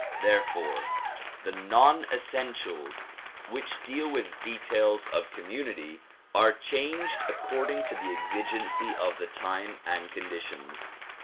Therefore the non essentials which deal with details of community are changed according to the exigency of the time and conditions.